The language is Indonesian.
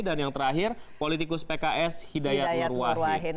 dan yang terakhir politikus pks hidayat nurwahi